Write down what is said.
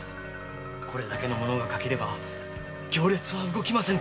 これだけの者が欠ければ行列は動きませぬ。